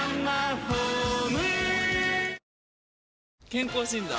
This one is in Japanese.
健康診断？